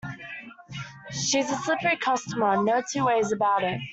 She's a slippery customer, no two ways about it.